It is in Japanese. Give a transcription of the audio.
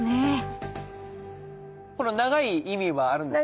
この長い意味はあるんですか？